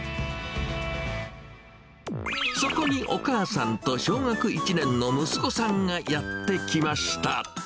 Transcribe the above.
そこにお母さんと小学１年の息子さんがやって来ました。